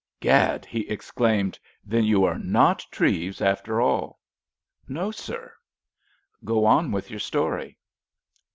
"Gad!" he exclaimed, "then you are not Treves after all!" "No, sir." "Go on with your story."